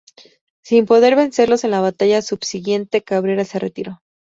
Sin poder vencerlos en la batalla subsiguiente, Cabrera se retiró.